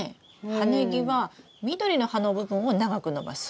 葉ネギは緑の葉の部分を長く伸ばす。